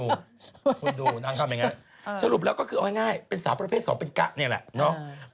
คุณดูนางทำอย่างนั้นสรุปแล้วก็คือเอาง่ายเป็นสาวประเภทสองเป็นกะนี่แหละเนาะ